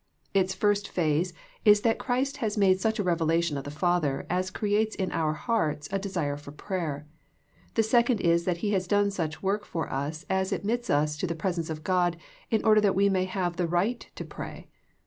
Its first phase is that Christ has made such a revelation of the Father as creates in our hearts a desire for prayer. The second is that He has done such work for us as admits us to the presence of God in order that we may have the right to pray.